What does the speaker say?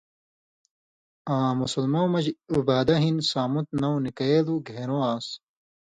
آں مسلمؤں مژ عُبادہ بن صامت نؤں نِکَیلوۡ گھېن٘رو آن٘س۔